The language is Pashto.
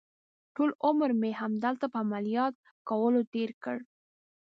ټول عمر مې همدلته په عملیات کولو تېر کړ.